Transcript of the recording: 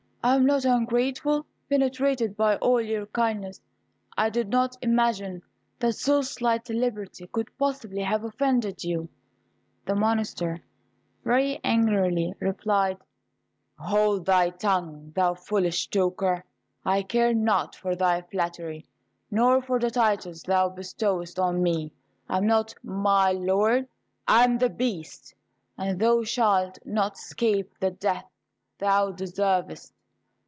I am not ungrateful! Penetrated by all your kindness, I did not imagine that so slight a liberty could possibly have offended you." The monster very angrily replied, "Hold thy tongue, thou foolish talker. I care not for thy flattery, nor for the titles thou bestowest on me. I am not 'my Lord;' I am The Beast; and thou shalt not escape the death thou deservest."